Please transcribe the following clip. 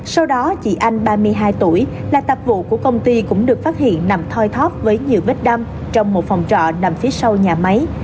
sau đó chị anh ba mươi hai tuổi là tạp vụ của công ty cũng được phát hiện nằm thoi thóp với nhiều vết đâm trong một phòng trọ nằm phía sau nhà máy